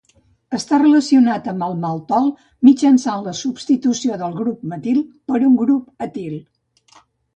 Està relacionat amb el maltol mitjançant la substitució del grup metil per un grup etil.